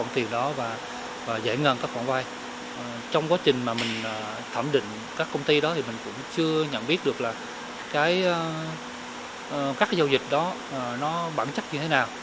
trong quá trình mà mình thẩm định các công ty đó thì mình cũng chưa nhận biết được là các cái giao dịch đó nó bản chất như thế nào